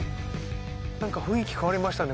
なんか雰囲気変わりましたね